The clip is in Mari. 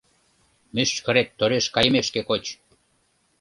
Мӱшкырет тореш кайымешке коч!